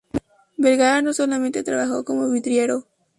Vergara no solamente trabajó como vidriero.